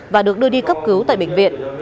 và được đưa đi cấp cứu tại bệnh viện